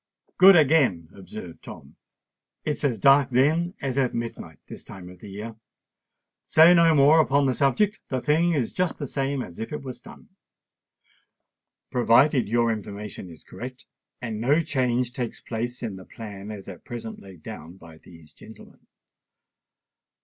"Good again," observed Tom. "It's as dark then as at midnight this time of the year. Say no more upon the subject: the thing is just the same as if it was done—provided your information is correct, and no change takes place in the plan as at present laid down by these gentlemen.